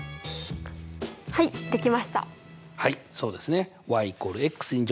はいできました！